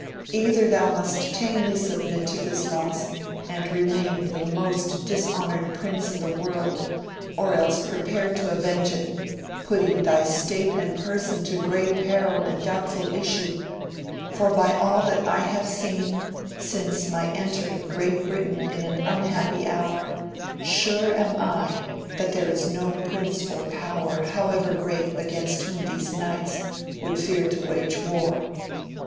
Either thou must tamely submit to this loss and remain the most dishonoured prince in the world, or else prepare to avenge it, putting thy state and person to great peril and doubtful issue, for by all that I have seen since my entering Great Britain in an unhappy hour, sure am I that there is no prince or power however great against whom these knights would fear to wage war.